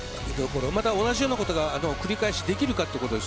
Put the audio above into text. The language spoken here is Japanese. また同じようなことが繰り返しできるかです。